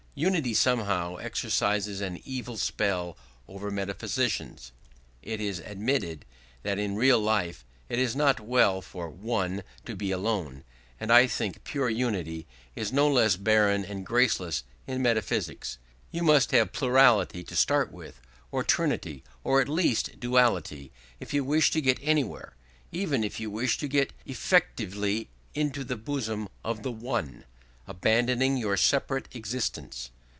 Unity somehow exercises an evil spell over metaphysicians. It is admitted that in real life it is not well for One to be alone, and I think pure unity is no less barren and graceless in metaphysics. You must have plurality to start with, or trinity, or at least duality, if you wish to get anywhere, even if you wish to get effectively into the bosom of the One, abandoning your separate existence.